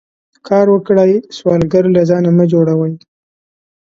کار وکړئ سوالګر له ځانه مه جوړوئ